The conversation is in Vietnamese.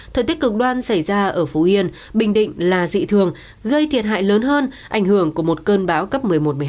thời tiết cực đoan xảy ra ở phú yên bình định là dị thường gây thiệt hại lớn hơn ảnh hưởng của một cơn bão cấp một mươi một một mươi hai